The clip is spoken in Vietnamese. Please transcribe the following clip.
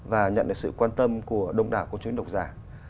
và nhận được sự quan tâm của đông đảo của chúng độc giả